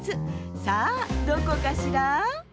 さあどこかしら？